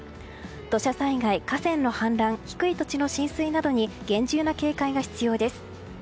土砂災害、河川の氾濫低い土地の浸水などに厳重な警戒が必要です。